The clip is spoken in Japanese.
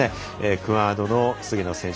クアードの菅野選手